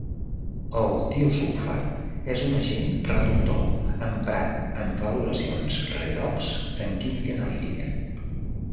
El tiosulfat és un agent reductor, emprat en valoracions redox en química analítica.